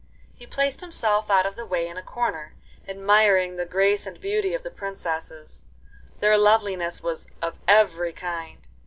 He placed himself out of the way in a corner, admiring the grace and beauty of the princesses. Their loveliness was of every kind.